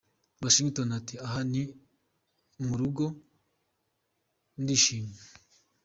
Washington ati “ Aha ni mu rugo ndishimye.